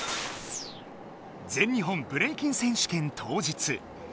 全日本ブレイキン選手権当日。